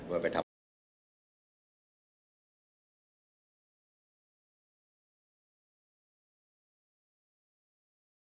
เขนเอาแบบด้วยว่าต้องไปทำ